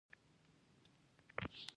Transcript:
همغه به يې لرې هم کا.